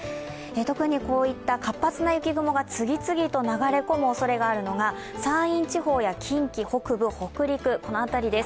特にこういった活発な雪雲が次々と流れ込むおそれのあるのが山陰地方や近畿北部、北陸の辺りです。